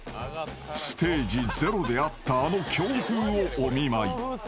［ステージゼロであったあの強風をお見舞い］